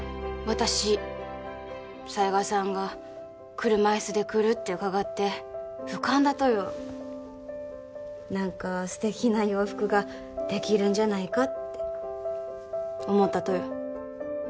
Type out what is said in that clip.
私犀賀さんが車椅子で来るって伺って浮かんだとよ何か素敵な洋服ができるんじゃないかって思ったとよ